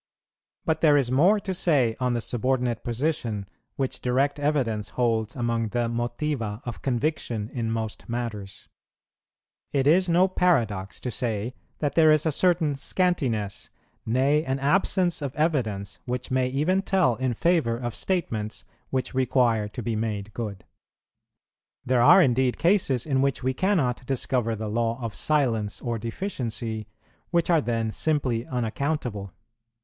But there is more to say on the subordinate position which direct evidence holds among the motiva of conviction in most matters. It is no paradox to say that there is a certain scantiness, nay an absence of evidence, which may even tell in favour of statements which require to be made good. There are indeed cases in which we cannot discover the law of silence or deficiency, which are then simply unaccountable.